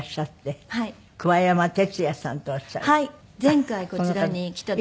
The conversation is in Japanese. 前回こちらに来た時は。